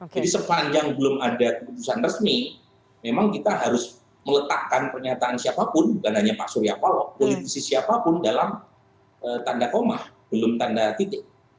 jadi sepanjang belum ada keputusan resmi memang kita harus meletakkan pernyataan siapapun bukan hanya pak surya paloh politisi siapapun dalam tanda koma belum tanda titik